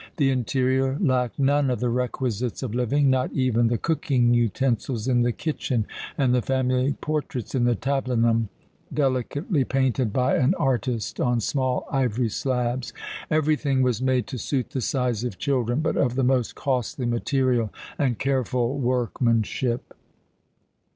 The interior lacked none of the requisites of living, not even the cooking utensils in the kitchen, and the family portraits in the tablinum, delicately painted by an artist on small ivory slabs. Everything was made to suit the size of children, but of the most costly material and careful workmanship.